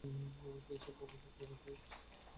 আমাকে এ সব বলছেন কেন তাই?